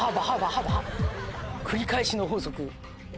繰り返しの法則。